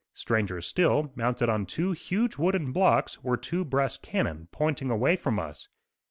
Stranger still, mounted on two huge wooden blocks were two brass cannon, pointing away from us.